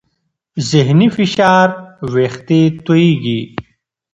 ذهني فشار وېښتې تویېږي.